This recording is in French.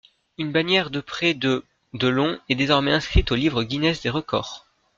Une bannière de près de de long, désormais inscrite au livre Guinness des records.